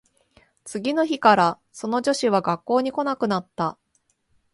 次の日からその女子は学校に来なくなった